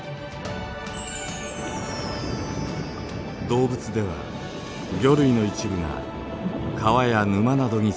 動物では魚類の一部が川や沼などに生息していました。